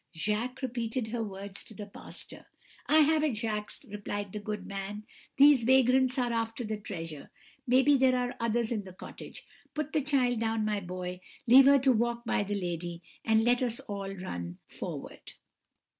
"Jacques repeated her words to the pastor. "'I have it, Jacques,' replied the good man; 'these vagrants are after the treasure; maybe there are others in the cottage; put the child down, my boy, leave her to walk by the lady, and let us all run forward.'